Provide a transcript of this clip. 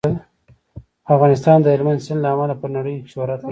افغانستان د هلمند سیند له امله په نړۍ شهرت لري.